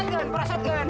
ya perasan kan